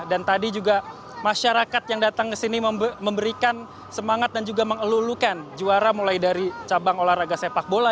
dan tadi juga masyarakat yang datang ke sini memberikan semangat dan juga mengelulukan juara mulai dari cabang olahraga sepak bola